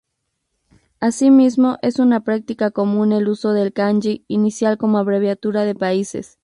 Asimismo es una práctica común el uso del "kanji" inicial como abreviatura de países.